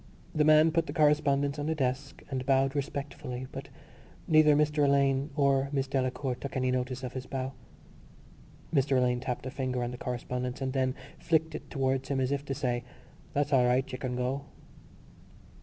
The man put the correspondence on the desk and bowed respectfully but neither Mr Alleyne nor Miss Delacour took any notice of his bow. Mr Alleyne tapped a finger on the correspondence and then flicked it towards him as if to say: _"That's all right: you can go."